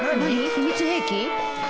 秘密兵器？